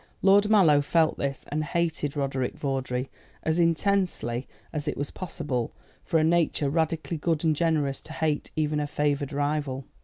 Lord Mallow felt this, and hated Roderick Vawdrey as intensely as it was possible for a nature radically good and generous to hate even a favoured rival.